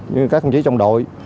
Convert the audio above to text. như các công chí trong đội